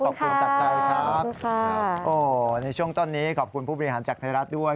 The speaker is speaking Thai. ขอบคุณค่ะขอบคุณค่ะในช่วงตอนนี้ขอบคุณผู้บริหารจากไทยรัฐด้วย